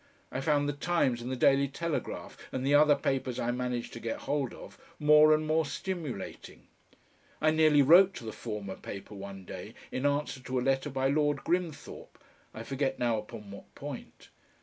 I found the TIMES and the DAILY TELEGRAPH and the other papers I managed to get hold of, more and more stimulating. I nearly wrote to the former paper one day in answer to a letter by Lord Grimthorpe I forget now upon what point.